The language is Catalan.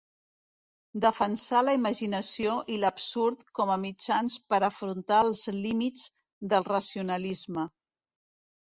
Defensà la imaginació i l’absurd com a mitjans per afrontar els límits del racionalisme.